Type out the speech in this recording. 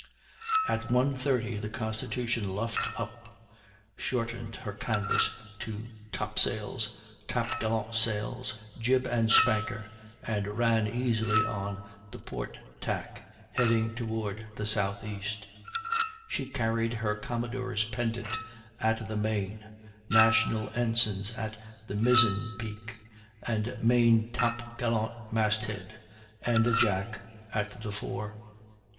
At 1.30 the Constitution luffed up, shortened her canvas to top sails, top gallant sails, jib, and spanker, and ran easily off on the port tack, heading toward the southeast; she carried her commodore's pendant at the main, national ensigns at the mizzenpeak and main top gallant mast head, and a Jack at the fore.